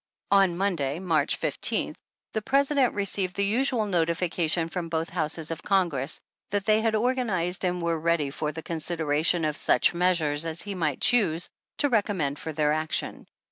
On Monday, March 15th, the President received the usual notification from both houses of Congress, that they had organized and were ready for the con sideration of such measures as he might choose to recommend for their action.